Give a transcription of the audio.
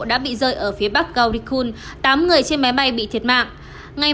đã bị rơi ở phía bắc gaurikul tám người trên máy bay bị thiệt mạng